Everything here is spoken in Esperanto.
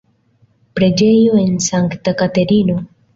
Preĝejo de Sankta Katerino.